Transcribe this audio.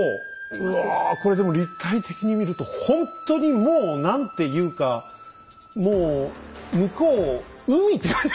うわこれでも立体的に見るとほんとにもう何ていうかもう向こう海って感じ。